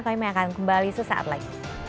kami akan kembali sesaat lagi